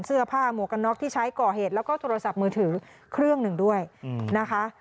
หมวกกันน็อกที่ใช้ก่อเหตุแล้วก็โทรศัพท์มือถือเครื่องหนึ่งด้วยนะคะ